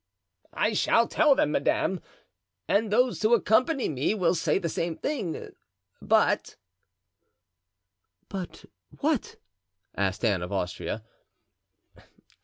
"I shall tell them, madame, and those who accompany me will say the same thing; but——" "But what?" asked Anne of Austria.